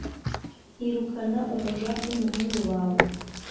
irukana umuja n’umuhungu bawe